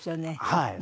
はい。